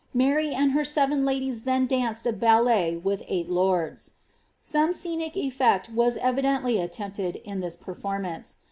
Mary and her seven ladies then dancAl a ballet with eight lords. Some scenic effect was evidently attempted in this performance.